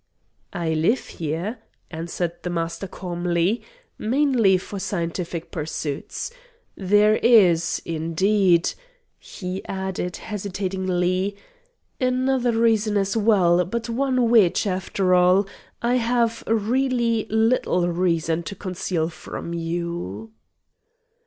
"I live here," answered the Master calmly, "mainly for scientific pursuits. There is, indeed," he added hesitatingly, "another reason as well, but one which, after all, I have really little reason to conceal from you."